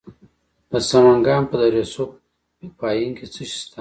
د سمنګان په دره صوف پاین کې څه شی شته؟